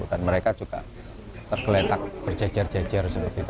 dan mereka juga tergeletak berjejer jejer seperti itu